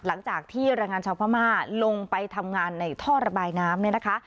หลังจากที่แรงงานชาวพม่าลงไปทำงานในท่อระบายน้ำเนี่ยนะคะ